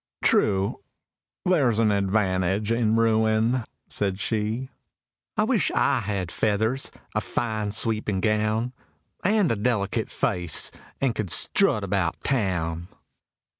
— "True. There's an advantage in ruin," said she. —"I wish I had feathers, a fine sweeping gown, And a delicate face, and could strut about Town!"